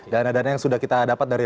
dana dana yang sudah kita dapat dari